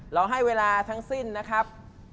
เราให้เวลาทั้งสิ้นนะครับ